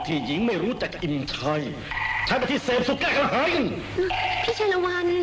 พี่ชายละวัน